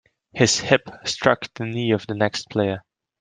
His hip struck the knee of the next player.